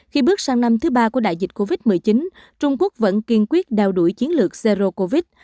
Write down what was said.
khi bước sang năm thứ ba của đại dịch covid một mươi chín trung quốc vẫn kiên quyết đào đuổi chiến lược zero covid